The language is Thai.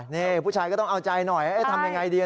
นี่ผู้ชายก็ต้องเอาใจหน่อยทำยังไงดี